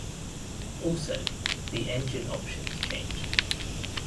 Also, the engine options changed.